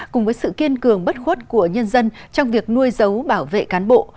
cùng với sự kiên cường bất khuất của nhân dân trong việc nuôi dấu bảo vệ cán bộ